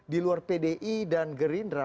diluar pdi dan gerindra